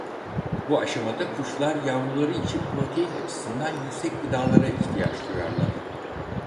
Bu aşamada kuşlar yavruları için protein açısından yüksek gıdalara ihtiyaç duyarlar.